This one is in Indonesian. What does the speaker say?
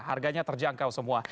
harganya terjangkau semua